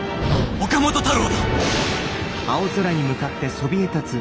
岡本太郎だ！